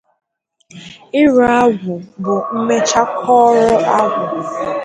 Ịrụ Agwụ bụ mmechakọrọ agwụ.